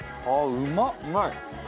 うまい！